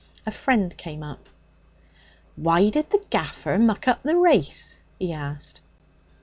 A friend came up. 'Why did the gaffer muck up the race?' he asked.